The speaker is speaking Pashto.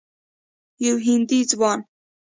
یو هندي ځوان